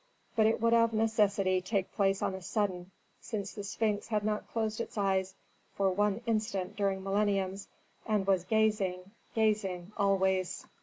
But it would of necessity take place on a sudden, since the Sphinx had not closed its eyes for one instant during millenniums, and was gazing, gazing, always.